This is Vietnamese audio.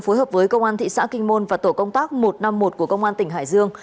phối hợp với công an thị xã kinh môn và tổ công tác một trăm năm mươi một của công an tỉnh hải dương